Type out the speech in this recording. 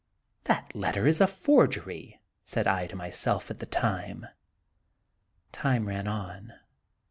" That letter is a forgery," said I to my self at the time. Time ran on.